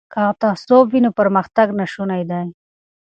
که تعصب وي نو پرمختګ ناشونی دی.